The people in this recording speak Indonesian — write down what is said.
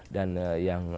dan yang berhasil